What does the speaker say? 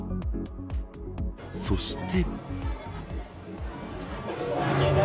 そして。